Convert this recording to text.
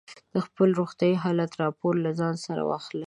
د خپل روغتیايي حالت راپور له ځان سره واخلئ.